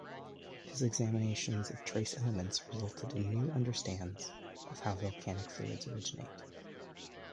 His examinations of trace elements resulted in new understands of how volcanic fluids originate.